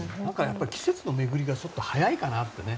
季節の巡りがちょっと早いかなってね。